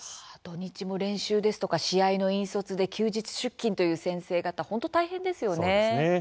土日も練習ですとか試合の引率で、休日出勤という先生方、本当、大変ですよね。